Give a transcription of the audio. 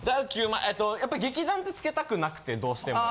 やっぱり劇団って付けたくなくてどうしても。